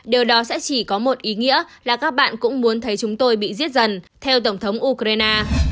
điều đó sẽ chỉ có một ý nghĩa là các bạn cũng muốn thấy chúng tôi bị giết dần theo tổng thống ukraine